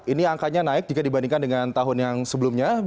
ini angkanya naik jika dibandingkan dengan tahun yang sebelumnya